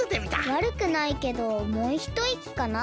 わるくないけどもうひといきかな。